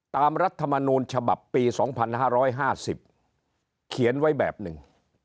รัฐมนูลฉบับปี๒๕๕๐เขียนไว้แบบหนึ่ง